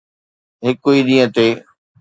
هڪ ئي ڏينهن تي